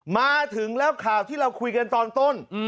มาถึงแล้วข่าวที่เราคุยกันตอนต้น